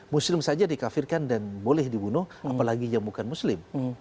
muslim saja dikafirkan dan boleh dibunuh apalagi yang bukan muslim